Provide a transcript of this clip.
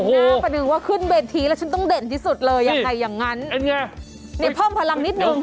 เป็นอย่างนึงว่าขึ้นเบทีแล้วฉันต้องเด่นที่สุดเลยอย่างไงอย่างงั้นนี่เพิ่มพลังนิดนึง